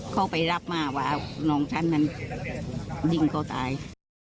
เขาไปรับมาว่าน้องฉันนั้นยิงเขาตาย